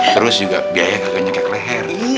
terus juga biayanya kagak nyekat leher